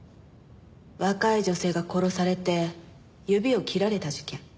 若い女性が殺されて指を切られた事件。